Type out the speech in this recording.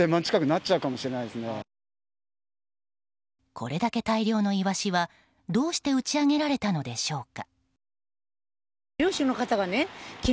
これだけ大量のイワシはどうして打ち揚げられたのでしょうか。